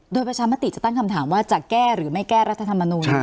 โดยประชามติจะตั้งคำถามว่าจะแก้หรือไม่แก้รัฐธรรมนูล